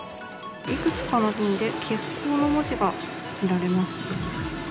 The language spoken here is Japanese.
いくつかの便で欠航の文字が見られます。